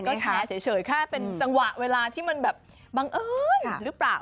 ก็แชร์เฉยแค่เป็นจังหวะเวลาที่มันแบบบังเอิญหรือเปล่า